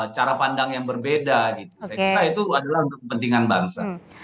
cara pandang yang berbeda itu adalah untuk kepentingan politik